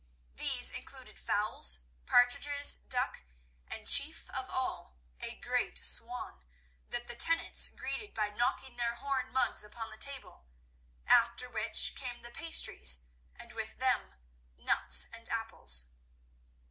These included fowls, partridges, duck, and, chief of all, a great swan, that the tenants greeted by knocking their horn mugs upon the table; after which came the pastries, and with them nuts and apples.